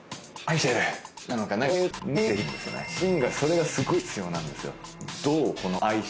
シンガーってそれがすごい必要なんですよ。